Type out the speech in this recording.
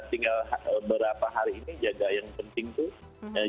tinggal berapa hari ini jaga yang penting tuh